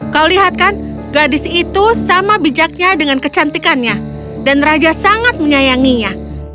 kau lihat kan gadis itu sama bijaknya dengan kecantikannya dan raja sangat menyayanginya